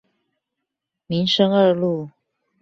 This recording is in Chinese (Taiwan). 民生二路